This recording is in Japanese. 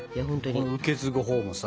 この受け継ぐほうもさ。